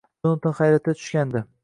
Jonatan hayratga tushgandi: